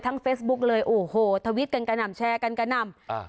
ทั้งเฟสบุ๊กเลยโอ้โหทวิตกันกันนำแชร์กันกันนำอ่า